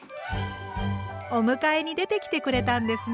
お迎えに出てきてくれたんですね。